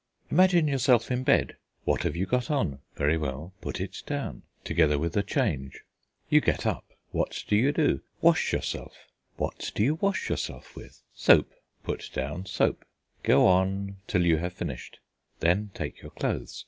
Imagine yourself in bed; what have you got on? Very well, put it down together with a change. You get up; what do you do? Wash yourself. What do you wash yourself with? Soap; put down soap. Go on till you have finished. Then take your clothes.